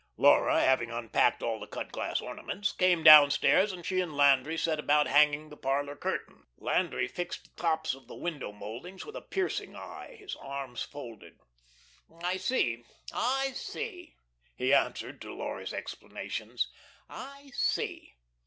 Laura, having unpacked all the cut glass ornaments, came down stairs, and she and Landry set about hanging the parlour curtains. Landry fixed the tops of the window mouldings with a piercing eye, his arms folded. "I see, I see," he answered to Laura's explanations. "I see.